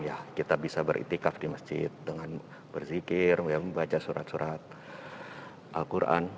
ya kita bisa beriktikaf di masjid dengan berzikir membaca surat surat al quran